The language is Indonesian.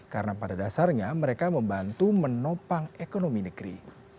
karena pada dasarnya mereka membantu menopang ekonomi negeri